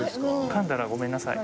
かんだらごめんなさい。